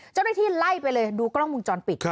เจ้าหน้าที่ไล่ไปเลยดูกล้องมุมจรปิด